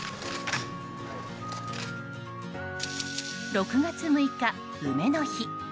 ６月６日、梅の日。